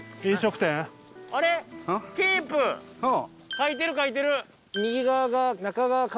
書いてる書いてる！